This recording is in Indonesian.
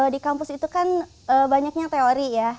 di kampus itu kan banyaknya teori ya